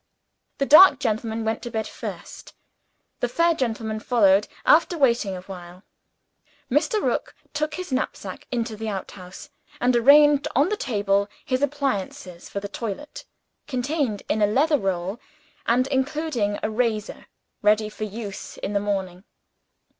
The dark gentleman went to bed first; the fair gentleman followed, after waiting a while. Mr. Rook took his knapsack into the outhouse; and arranged on the table his appliances for the toilet contained in a leather roll, and including a razor ready for use in the morning.